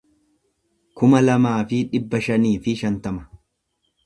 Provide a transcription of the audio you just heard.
kuma lamaa fi dhibba shanii fi shantama